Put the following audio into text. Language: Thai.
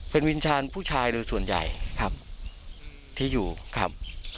เป็นวิญญาณผู้ชายโดยส่วนใหญ่ครับที่อยู่ครับ